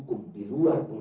aku sudah berhenti